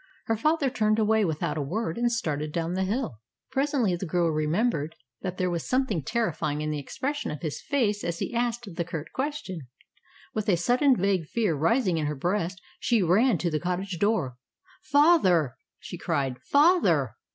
Her father turned away without a word and started down the hill. Presently the girl remembered that there was something terrifying in the expression of his face as he asked the curt question. With a sudden vague fear rising in her breast, she ran to the cottage door. "Father!" she cried, "father!"